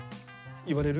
言われる？